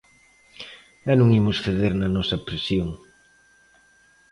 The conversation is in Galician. E non imos ceder na nosa presión.